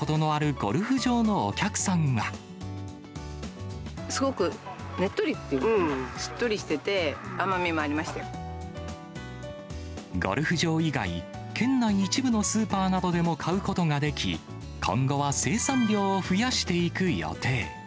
ゴルフ場以外、県内一部のスーパーなどでも買うことができ、今後は生産量を増やしていく予定。